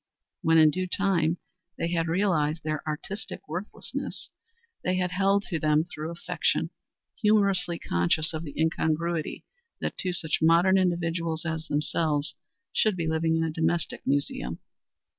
When, in due time, they had realized their artistic worthlessness, they had held to them through affection, humorously conscious of the incongruity that two such modern individuals as themselves should be living in a domestic museum.